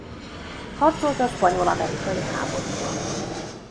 Harcolt a spanyol–amerikai háborúban.